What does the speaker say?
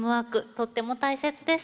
とっても大切です。